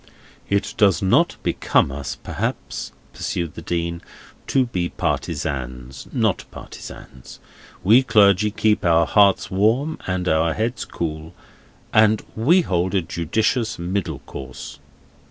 "It does not become us, perhaps," pursued the Dean, "to be partisans. Not partisans. We clergy keep our hearts warm and our heads cool, and we hold a judicious middle course."